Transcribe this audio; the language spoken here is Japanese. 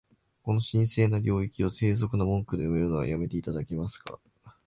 この神聖な領域を、低俗な文句で埋めるのは止めて頂けますか？